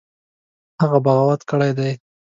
هغه بغاوت کړی دی.